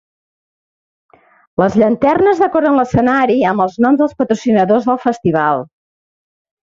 Les llanternes decoren l'escenari amb els noms dels patrocinadors del festival.